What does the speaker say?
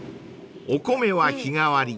［お米は日替わり］